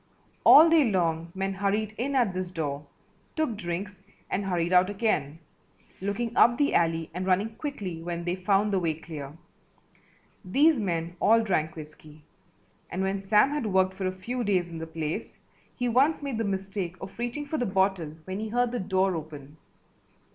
All day long men hurried in at this door, took drinks and hurried out again, looking up the alley and running quickly when they found the way clear. These men all drank whiskey, and when Sam had worked for a few days in the place he once made the mistake of reaching for the bottle when he heard the door open.